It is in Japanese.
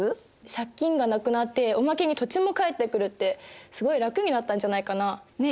借金がなくなっておまけに土地も返ってくるってすごい楽になったんじゃないかな？ね。